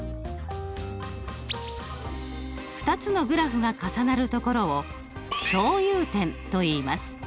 ２つのグラフが重なる所を共有点といいます。